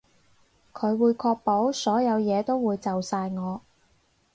佢會確保所有嘢都會就晒我